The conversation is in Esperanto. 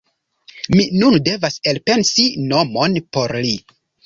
Mi nun devas elpensi nomon por li.